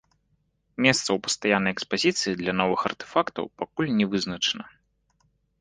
Месца ў пастаяннай экспазіцыі для новых артэфактаў пакуль не вызначана.